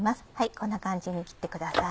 こんな感じに切ってください。